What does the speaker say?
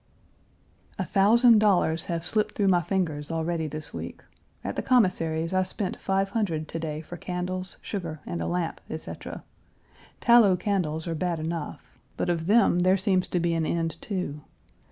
A thousand dollars have slipped through my fingers already this week. At the Commissary's I spent five hundred to day for candles, sugar, and a lamp, etc. Tallow candles are bad enough, but of them there seems to be an end, too.